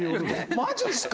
「マジですか？